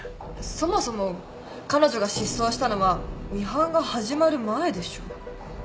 そもそも彼女が失踪したのはミハンが始まる前でしょ。